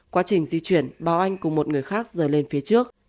quá trình di chuyển bà anh cùng một người khác rời lên phía trước